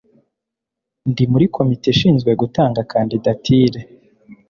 Ndi muri komite ishinzwe gutanga kandidatire